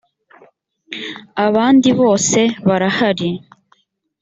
abandi bose barahari.